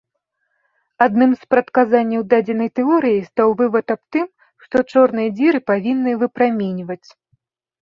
Адным з прадказанняў дадзенай тэорыі стаў вывад аб тым, што чорныя дзіры павінны выпраменьваць.